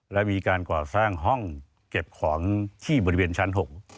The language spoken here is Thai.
และมีการก่อสร้างห้องเก็บของที่บริเวณชั้น๖